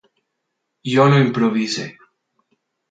Jo no improviso.